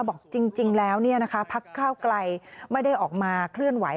บอกจริงแล้วพักก้าวไกลไม่ได้ออกมาเคลื่อนไหว